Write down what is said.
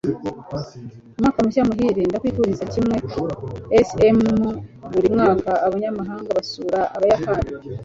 Umwaka mushya muhire!" "Ndakwifuriza kimwe!" (CMBuri mwaka abanyamahanga basura Ubuyapani.